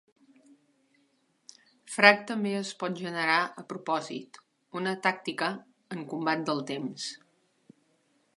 Frag també es pot generar a propòsit, una tàctica en "combat del temps".